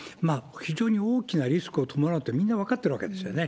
非常に大きなリスクを伴うと、みんな分かってるわけですよね。